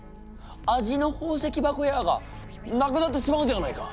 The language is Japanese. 「味の宝石箱や！」がなくなってしまうではないか！